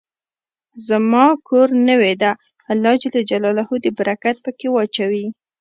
زما کور نوې ده، الله ج د برکت په کي واچوی